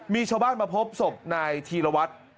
มีชาวบ้านมาพบศพนายธีรวัตร